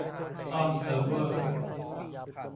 ซ่อมเซิร์ฟเวอร์